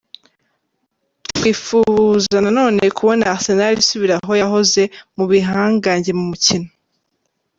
Twifufa na none kubona Arsenal isubira aho yahoze, mu bihangange mu mukino”.